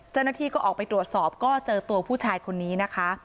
เจ้าหน้าที่ก็ออกไปตรวจสอบก็เจอตัวผู้ชายคนนี้นะคะ